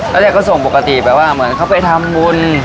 แล้วก็ส่งปกติแบบว่าเขาไปทำบุญ